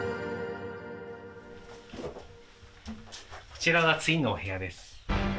こちらがツインのお部屋です。